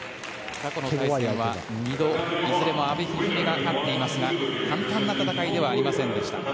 過去の対戦は２度いずれも阿部一二三が勝っていますが簡単な戦いではありませんでした。